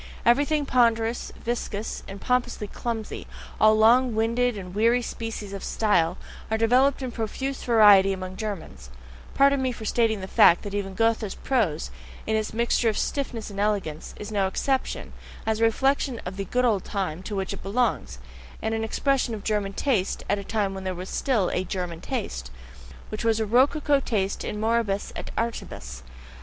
Everything ponderous, viscous, and pompously clumsy, all long winded and wearying species of style, are developed in profuse variety among Germans pardon me for stating the fact that even Goethe's prose, in its mixture of stiffness and elegance, is no exception, as a reflection of the "good old time" to which it belongs, and as an expression of German taste at a time when there was still a "German taste," which was a rococo taste in moribus et artibus.